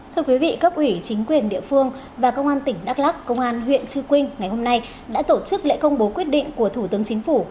thưa quý vị cấp ủy chính quyền địa phương và công an tỉnh đắk lắc công an huyện chư quynh ngày hôm nay đã tổ chức lễ công bố quyết định của thủ tướng chính phủ